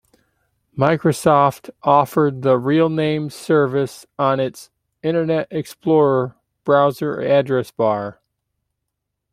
Microsoft offered the RealNames service on its "Internet Explorer" browser address bar.